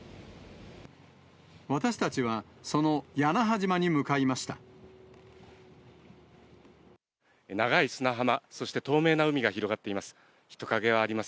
私たちはその屋那覇島に向か長い砂浜、そして透明な海が広がっています。